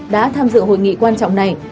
đã tham dự hội nghị quan trọng này